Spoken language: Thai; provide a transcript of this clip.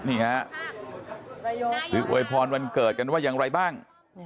นี่ครับวิทยุโอยภรณ์วันเกิดกันว่าอย่างไรบ้าง